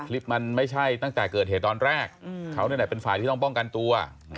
คลิปมันไม่ใช่ตั้งแต่เกิดเหตุตอนแรกเขานี่แหละเป็นฝ่ายที่ต้องป้องกันตัว